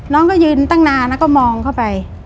น้องก็ยืนตั้งนานแล้วก็มองเข้าไป